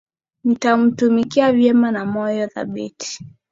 nitaitumikia vyema na kwa moyo thabiti